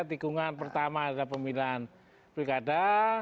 tikungan pertama adalah pemilihan pilkada